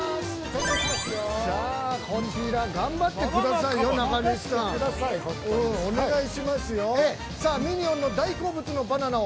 さあ、こちら、頑張ってくださいよ、